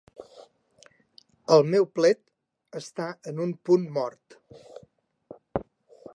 El meu plet està en un punt mort.